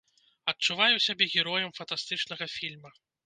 Адчуваю сябе героем фантастычнага фільма.